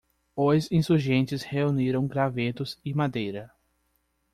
Os insurgentes reuniram gravetos e madeira.